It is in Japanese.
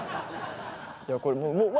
じゃあこれもううわ